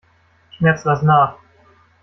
Schmerz, lass nach!